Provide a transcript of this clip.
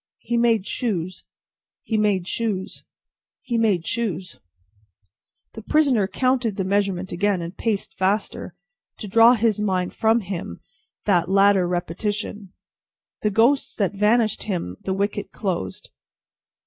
"He made shoes, he made shoes, he made shoes." The prisoner counted the measurement again, and paced faster, to draw his mind with him from that latter repetition. "The ghosts that vanished when the wicket closed.